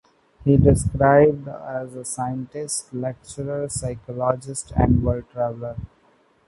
He is described as a scientist, lecturer, psychologist, and world traveler.